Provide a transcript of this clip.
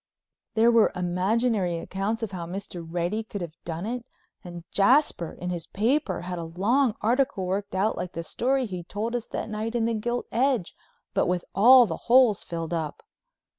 There were imaginary accounts of how Mr. Reddy could have done it, and Jasper, in his paper, had a long article worked out like the story he'd told us that night in the Gilt Edge, but with all the holes filled up.